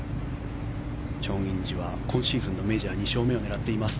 チョン・インジは今シーズンのメジャー２勝目を狙っています。